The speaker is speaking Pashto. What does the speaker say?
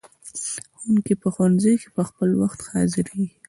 ښوونکي په ښوونځیو کې په خپل وخت حاضریږي.